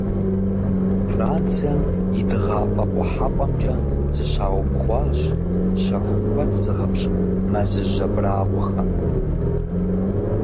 Францием и дыгъафӀэ-къухьэпӀэмкӀэ зыщаубгъуащ щэху куэд зыгъэпщкӏу мэзыжь абрагъуэхэм.